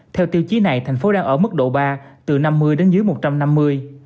theo tiêu chí này thành phố đang ở mức độ ba từ năm mươi đến dưới một trăm năm mươi